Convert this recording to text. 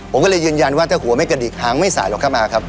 ผมก็เลยยืนยันว่าถ้าหัวไม่กระดิกหางไม่สายหรอกเข้ามาครับ